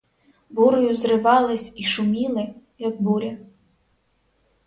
Бурею зривались і шуміли, як буря.